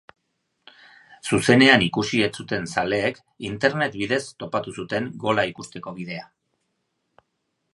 Zuzenean ikusi ez zuten zaleek, internet bidez topatu zuten gola ikusteko bidea.